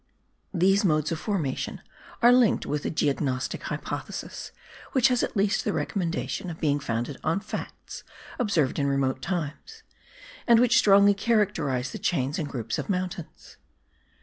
These modes of formation are linked with a geognostic hypothesis, which has at least the recommendation of being founded on facts observed in remote times, and which strongly characterize the chains and groups of mountains.